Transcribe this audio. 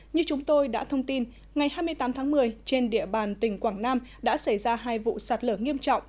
như chúng tôi đã thông tin ngày hai mươi tám tháng một mươi trên địa bàn tỉnh quảng nam đã xảy ra hai vụ sạt lở nghiêm trọng